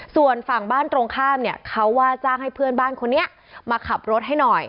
ส่วนฝั่งบ้านตรงข้ามเนี่ยเขาว่าจ้างให้เพื่อนบ้านคนนี้มาขับรถให้หน่อย